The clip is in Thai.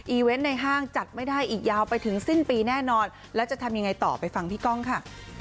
เวนต์ในห้างจัดไม่ได้อีกยาวไปถึงสิ้นปีแน่นอนแล้วจะทำยังไงต่อไปฟังพี่ก้องค่ะ